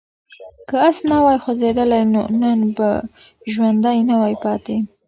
که آس نه وای خوځېدلی نو نن به ژوندی نه وای پاتې.